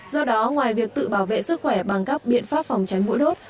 do đó ngoài việc tự bảo vệ sức khỏe bằng các biện pháp phòng tránh mũi đốt